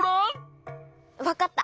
わかった。